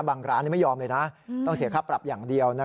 ร้านไม่ยอมเลยนะต้องเสียค่าปรับอย่างเดียว